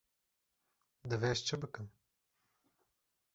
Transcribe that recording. Divê ez çi bikim.